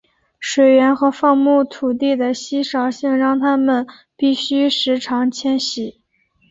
水源和放牧土地的稀少性让他们必须时常迁徙。